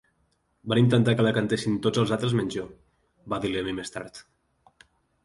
"Van intentar que la cantessin tots els altres menys jo", va dir Lemmy més tard.